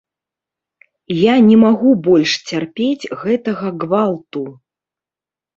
Я не магу больш цярпець гэтага гвалту.